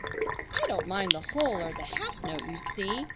_ I don't mind the whole or the half note, you see!